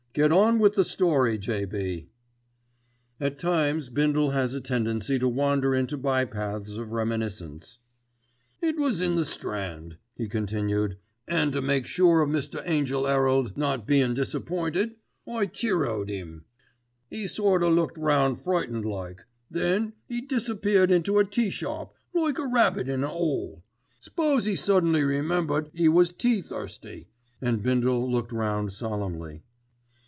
"Get oh with the story, J.B." At times Bindle has a tendency to wander into by paths of reminiscence. "It was in the Strand," he continued, "an' to make sure of Mr. Angell 'Erald not bein' disappointed I cheero'd 'im. 'E sort o' looked round frightened like, then 'e disappeared into a teashop like a rabbit in an 'ole. S'pose 'e suddenly remembered 'e was tea thirsty," and Bindle looked round solemnly.